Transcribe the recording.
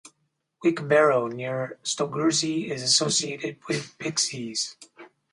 Wick Barrow, near Stogursey, is associated with pixies.